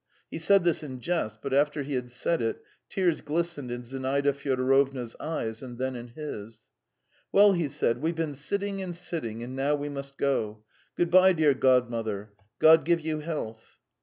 He said this in jest, but after he had said it, tears glistened in Zinaida Fyodorovna's eyes and then in his. "Well," he said, "we've been sitting and sitting, and now we must go. Good bye, dear Godmother. God give you health."